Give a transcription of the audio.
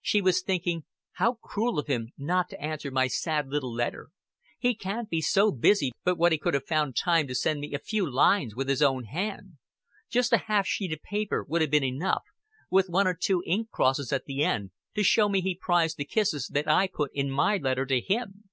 She was thinking, "How cruel of him not to answer my sad little letter. He can't be so busy but what he could have found time to send me a few lines with his own hand. Just half a sheet of paper would have been enough with one or two ink crosses at the end, to show me he prized the kisses that I put in my letter to him.